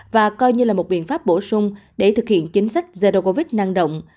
và coi như là một biện pháp bổ sung để thực hiện chính sách zero covid năng động